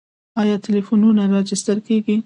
آیا ټلیفونونه راجستر کیږي؟